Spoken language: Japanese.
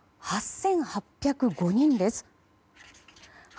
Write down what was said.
８８０５人です。